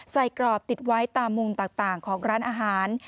กรอบติดไว้ตามมุมต่างของร้านอาหาร